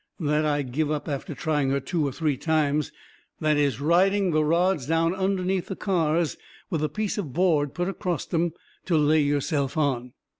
That I give up after trying her two, three times. That is riding the rods down underneath the cars, with a piece of board put acrost 'em to lay yourself on.